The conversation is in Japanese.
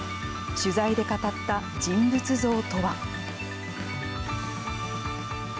取材で語った人物像とは。